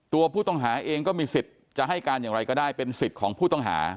ตัวผู้ต้องหาเองก็มีสิทธิ์จะให้การอย่างไรก็ได้เป็นสิทธิ์ของผู้ต้องหา